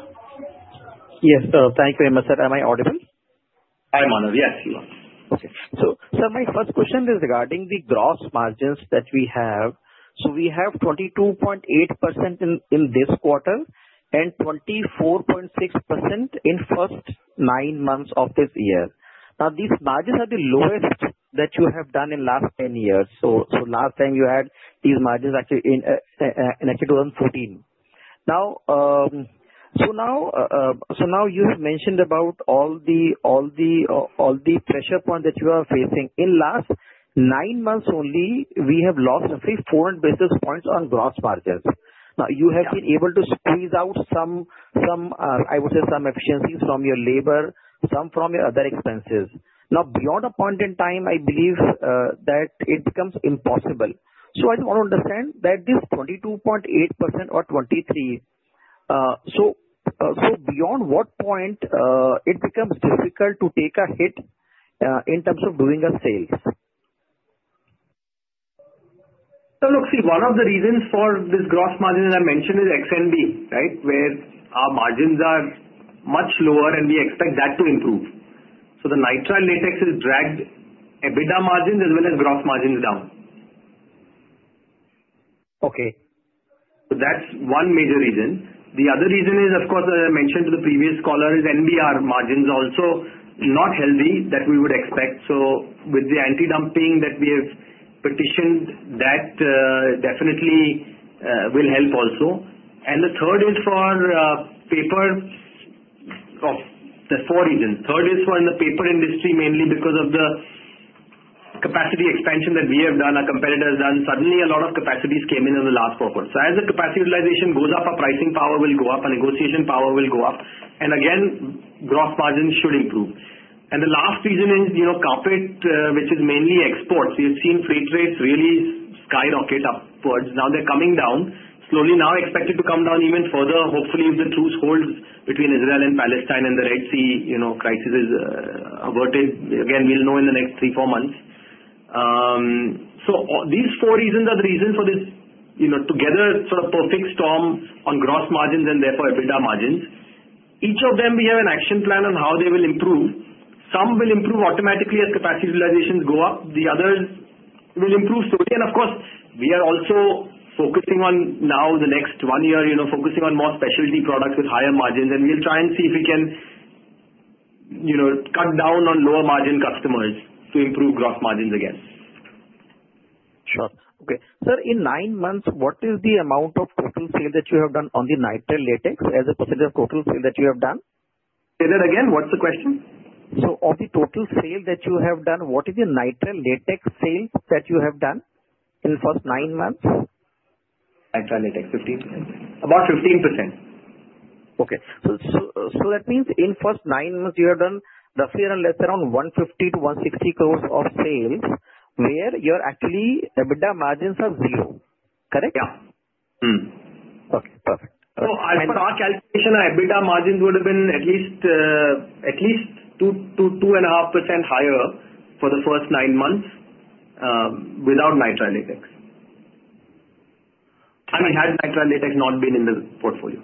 Yes, sir. Thank you very much, sir. Am I audible? Hi, Manav. Yes, you are. Okay. So, sir, my first question is regarding the gross margins that we have. So we have 22.8% in this quarter and 24.6% in first nine months of this year. Now, these margins are the lowest that you have done in the last 10 years. So last time, you had these margins actually in 2014. So now you have mentioned about all the pressure points that you are facing. In the last nine months only, we have lost roughly 400 basis points on gross margins. Now, you have been able to squeeze out some, I would say, some efficiencies from your labor, some from your other expenses. Now, beyond a point in time, I believe that it becomes impossible. So I just want to understand that this 22.8% or 23, so beyond what point it becomes difficult to take a hit in terms of doing a sale? Look, see, one of the reasons for this gross margin that I mentioned is XNB, right, where our margins are much lower, and we expect that to improve. So the nitrile latex has dragged EBITDA margins as well as gross margins down. Okay. So that's one major reason. The other reason is, of course, as I mentioned to the previous caller, is NBR margins also not healthy that we would expect. So with the anti-dumping that we have petitioned, that definitely will help also. And the third is for paper of the four reasons. Third is for in the paper industry, mainly because of the capacity expansion that we have done, our competitors done, suddenly a lot of capacities came in the last quarter. So as the capacity utilization goes up, our pricing power will go up, our negotiation power will go up. And again, gross margins should improve. And the last reason is carpet, which is mainly exports. We have seen freight rates really skyrocket upwards. Now they're coming down slowly. Now expected to come down even further, hopefully, if the truce holds between Israel and Palestine and the Red Sea crisis is averted. Again, we'll know in the next three, four months, so these four reasons are the reason for this together sort of perfect storm on gross margins and therefore EBITDA margins. Each of them, we have an action plan on how they will improve. Some will improve automatically as capacity utilizations go up. The others will improve slowly, and of course, we are also focusing on now the next one year, focusing on more specialty products with higher margins, and we'll try and see if we can cut down on lower margin customers to improve gross margins again. Sure. Okay. Sir, in nine months, what is the amount of total sale that you have done on the nitrile latex as a percentage of total sale that you have done? Say that again. What's the question? So of the total sale that you have done, what is the Nitrile Latex sales that you have done in the first nine months? Nitrile latex, 15%. About 15%. Okay. So that means in first nine months, you have done roughly around less than around 150-160 crore of sales, where your actually EBITDA margins are zero. Correct? Yeah. Okay. Perfect. So if our calculation, our EBITDA margins would have been at least 2%-2.5% higher for the first nine months without nitrile latex. I mean, had nitrile latex not been in the portfolio.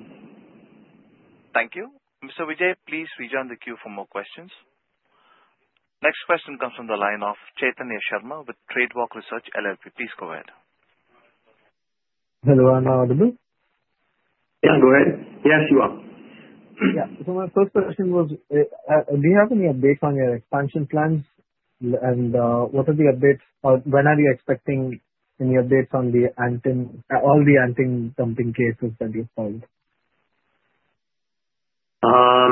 Thank you. Mr. Vijay, please rejoin the queue for more questions. Next question comes from the line of Chaitanya Sharma with Tradewalk Research LLP. Please go ahead. Hello. I'm audible? Yeah. Go ahead. Yes, you are. Yeah. So my first question was, do you have any updates on your expansion plans? And what are the updates? Or when are you expecting any updates on all the anti-dumping cases that you filed?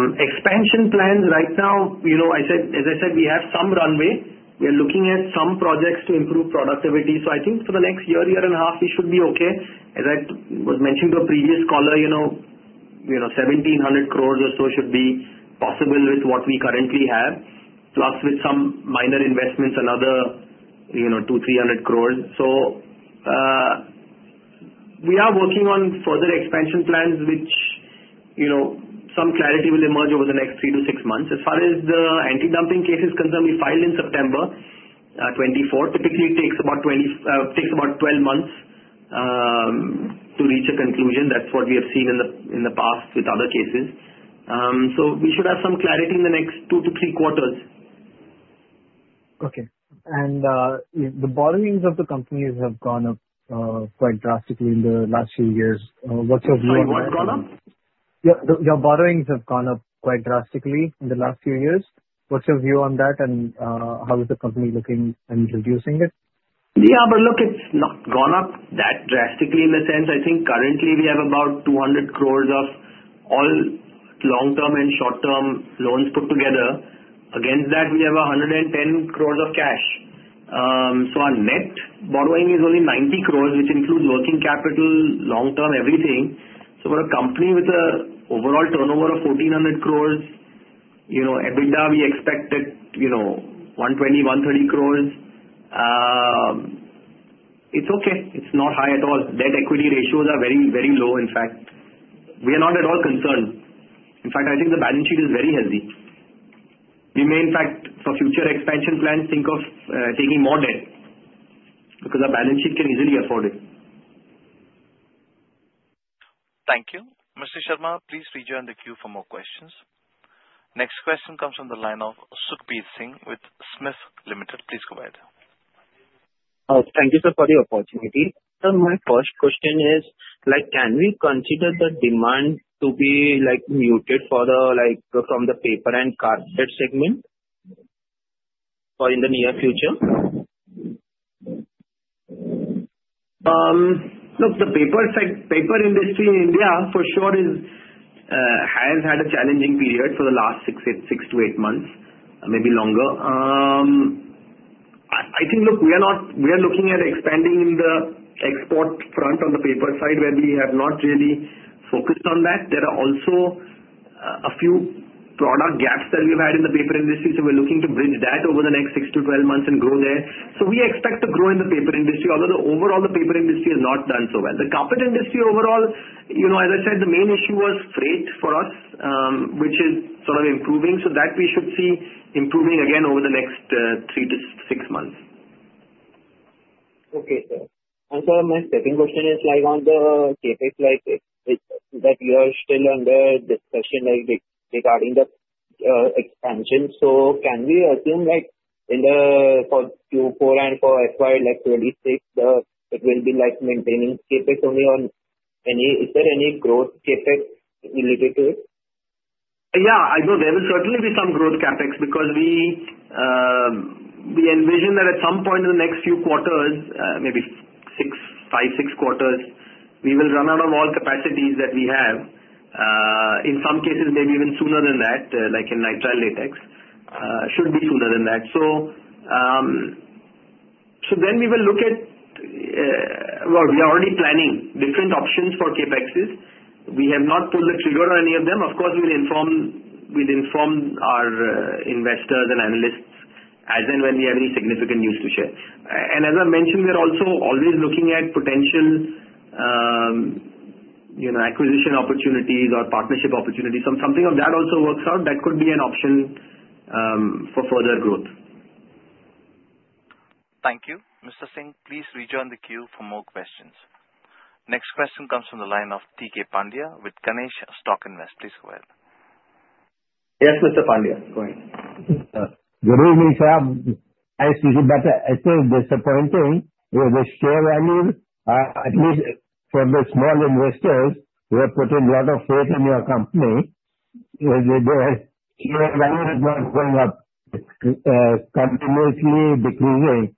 Expansion plans right now, as I said, we have some runway. We are looking at some projects to improve productivity. So I think for the next year, year and a half, we should be okay. As I was mentioning to a previous caller, 1,700 crores or so should be possible with what we currently have, plus with some minor investments and other 2,300 crores. So we are working on further expansion plans, which some clarity will emerge over the next three to six months. As far as the anti-dumping cases concerned, we filed in September 2024. Typically, it takes about 12 months to reach a conclusion. That's what we have seen in the past with other cases. So we should have some clarity in the next two to three quarters. Okay, and the borrowings of the companies have gone up quite drastically in the last few years. What's your view on that? Sorry. What's gone up? Yeah. Your borrowings have gone up quite drastically in the last few years. What's your view on that, and how is the company looking at reducing it? Yeah. But look, it's not gone up that drastically in the sense. I think currently we have about 200 crore of all long-term and short-term loans put together. Against that, we have 110 crore of cash. So our net borrowing is only 90 crore, which includes working capital, long-term, everything. So for a company with an overall turnover of 1,400 crore, EBITDA we expect at 120-130 crore. It's okay. It's not high at all. Debt-equity ratios are very, very low, in fact. We are not at all concerned. In fact, I think the balance sheet is very healthy. We may, in fact, for future expansion plans, think of taking more debt because our balance sheet can easily afford it. Thank you. Mr. Sharma, please rejoin the queue for more questions. Next question comes from the line of Sukhbir Singh with Smix Limited. Please go ahead. Thank you, sir, for the opportunity. Sir, my first question is, can we consider the demand to be muted from the paper and carpet segment in the near future? Look, the paper industry in India, for sure, has had a challenging period for the last six-to-eight months, maybe longer. I think, look, we are looking at expanding the export front on the paper side, where we have not really focused on that. There are also a few product gaps that we've had in the paper industry. So we're looking to bridge that over the next six-to-12 months and grow there. So we expect to grow in the paper industry, although overall the paper industry has not done so well. The carpet industry overall, as I said, the main issue was freight for us, which is sort of improving. So that we should see improving again over the next three-to-six months. Okay, sir. And sir, my second question is on the CapEx that you are still under discussion regarding the expansion. So can we assume that for Q4 and for FY26, it will be maintaining CapEx only? Is there any growth CapEx related to it? Yeah. I know there will certainly be some growth CapEx because we envision that at some point in the next few quarters, maybe five, six quarters, we will run out of all capacities that we have. In some cases, maybe even sooner than that, like in nitrile latex, should be sooner than that. So then we will look at, well, we are already planning different options for CapExes. We have not pulled the trigger on any of them. Of course, we'll inform our investors and analysts as and when we have any significant news to share. As I mentioned, we are also always looking at potential acquisition opportunities or partnership opportunities. So if something of that also works out, that could be an option for further growth. Thank you. Mr. Singh, please rejoin the queue for more questions. Next question comes from the line of T.K. Pandya with Ganesh Stockinvest. Please go ahead. Yes, Mr. Pandya. Go ahead. Good evening, sir. I speak to you, but I say disappointing with the share value, at least for the small investors who have put in a lot of faith in your company. The share value is not going up. It's continuously decreasing.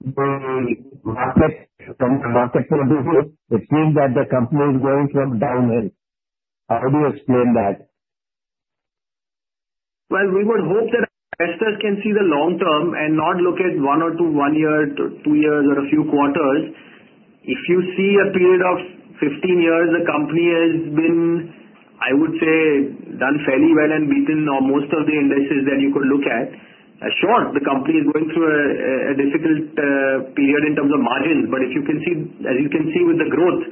From the market point of view, it seems that the company is going downhill. How do you explain that? We would hope that investors can see the long term and not look at one or two, one year, two years, or a few quarters. If you see a period of 15 years, the company has been, I would say, done fairly well and beaten most of the indices that you could look at. Sure, the company is going through a difficult period in terms of margins. But as you can see with the growth,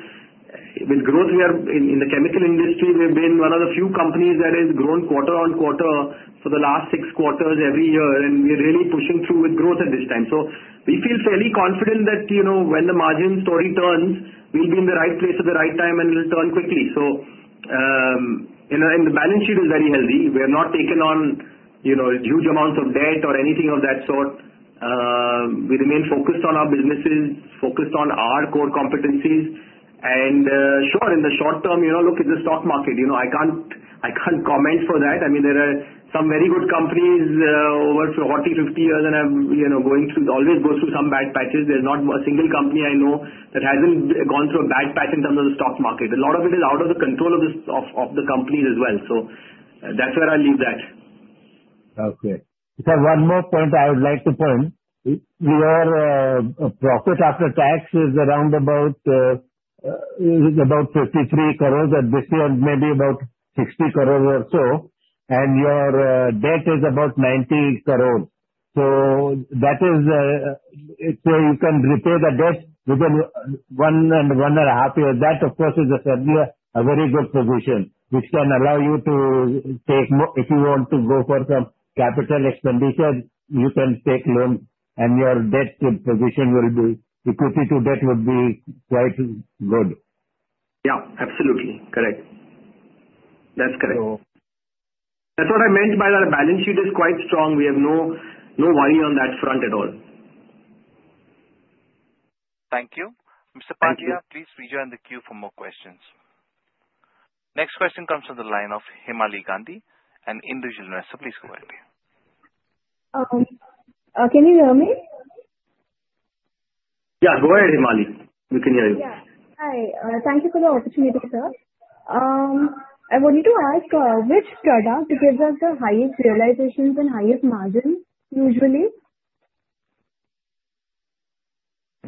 with growth, in the chemical industry, we have been one of the few companies that has grown quarter on quarter for the last six quarters every year. And we are really pushing through with growth at this time. So we feel fairly confident that when the margin story turns, we'll be in the right place at the right time, and it'll turn quickly. So the balance sheet is very healthy. We have not taken on huge amounts of debt or anything of that sort. We remain focused on our businesses, focused on our core competencies. And sure, in the short term, look at the stock market. I can't comment for that. I mean, there are some very good companies over 40, 50 years that are always going through some bad patches. There's not a single company I know that hasn't gone through a bad patch in terms of the stock market. A lot of it is out of the control of the company as well. So that's where I'll leave that. Okay. One more point I would like to point. Your profit after tax is around about 53 crores at this year, maybe about 60 crores or so, and your debt is about 90 crores, so that is where you can repay the debt within one and a half years. That, of course, is a very good position, which can allow you to take, if you want to go for some capital expenditure, you can take loans, and your debt position will be equity to debt would be quite good. Yeah. Absolutely. Correct. That's correct. That's what I meant by that. The balance sheet is quite strong. We have no worry on that front at all. Thank you. Mr. Pandya, please rejoin the queue for more questions. Next question comes from the line of Himali Gandhi, an individual investor. Please go ahead. Can you hear me? Yeah. Go ahead, Himali. We can hear you. Yeah. Hi. Thank you for the opportunity, sir. I wanted to ask, which product gives us the highest realizations and highest margin usually?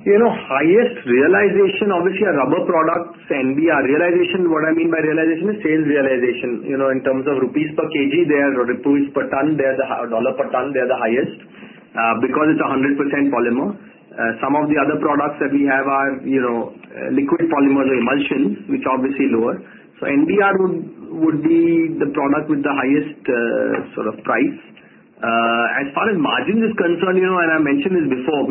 Highest realization, obviously, are rubber products. And our realization, what I mean by realization is sales realization. In terms of INR per kg, they are INR per ton. They are the $ per ton. They are the highest because it's 100% polymer. Some of the other products that we have are liquid polymers or emulsions, which are obviously lower. So NBR would be the product with the highest sort of price. As far as margins are concerned, and I mentioned this before,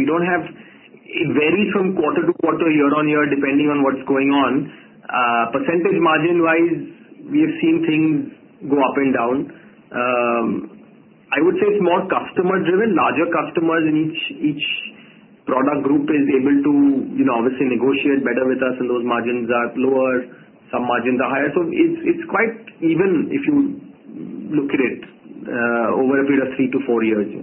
it varies from quarter to quarter, year on year, depending on what's going on. Percentage margin-wise, we have seen things go up and down. I would say it's more customer-driven. Larger customers in each product group are able to, obviously, negotiate better with us, and those margins are lower. Some margins are higher. So it's quite even if you look at it over a period of three to four years.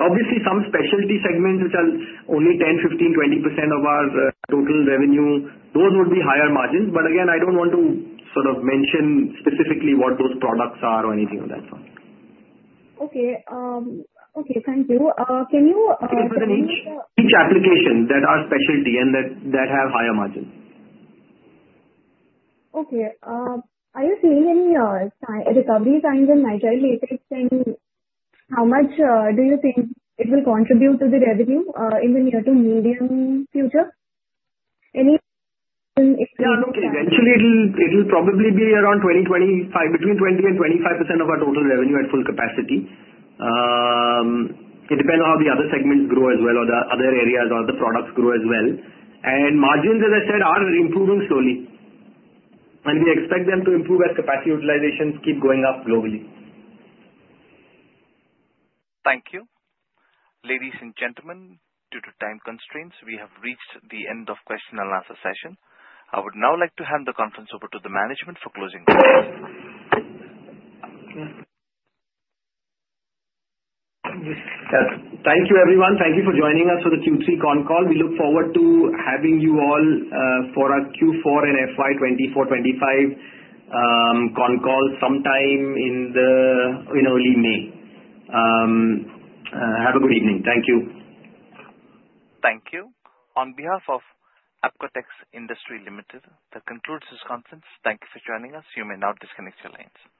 Obviously, some specialty segments, which are only 10%, 15%, 20% of our total revenue, those would be higher margins. But again, I don't want to sort of mention specifically what those products are or anything of that sort. Okay. Thank you. Can you? Okay. Each application that are specialty and that have higher margins. Okay. Are you seeing any recovery signs in nitrile latex? And how much do you think it will contribute to the revenue in the near to medium future? Yeah. Look, eventually, it'll probably be around between 20% and 25% of our total revenue at full capacity. It depends on how the other segments grow as well or the other areas or the products grow as well. And margins, as I said, are improving slowly. And we expect them to improve as capacity utilizations keep going up globally. Thank you. Ladies and gentlemen, due to time constraints, we have reached the end of the question and answer session. I would now like to hand the conference over to the management for closing questions. Thank you, everyone. Thank you for joining us for the Q3 con call. We look forward to having you all for our Q4 and FY24/25 con call sometime in early May. Have a good evening. Thank you. Thank you. On behalf of Apcotex Industries Limited, that concludes this conference. Thank you for joining us. You may now disconnect your lines.